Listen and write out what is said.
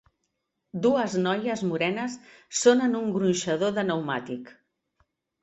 Dues noies morenes són en un gronxador de pneumàtic.